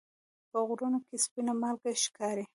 په غرونو کې سپینه مالګه ښکاري.